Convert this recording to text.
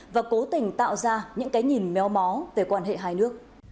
và cố tình tạo ra những cái nhìn méo mó về quan hệ hai nước